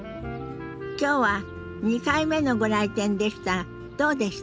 今日は２回目のご来店でしたがどうでした？